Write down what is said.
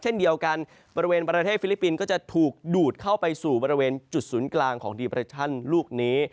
เช่นเดียวกันบริเวณประเทศฟิลิปปินส์ก็จะถูกดูดเข้าไปสู่บริเวณจุดศูนย์กลางของดีเปรชั่นลูกนี้